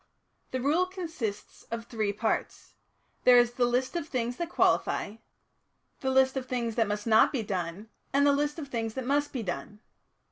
"The Rule consists of three parts; there is the list of things that qualify, the list of things that must not be done, and the list of things that must be done.